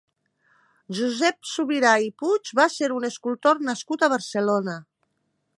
Josep Subirà i Puig va ser un escultor nascut a Barcelona.